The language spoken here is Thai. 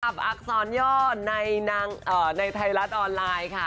ต่อไปกับอักษรย่อในไทรัตออนไลน์ค่ะ